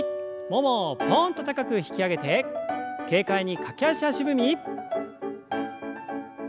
ももをぽんと高く引き上げて軽快に駆け足足踏み。